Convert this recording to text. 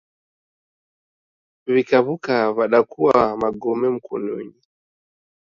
Wikawuka wadakua magome mkonunyi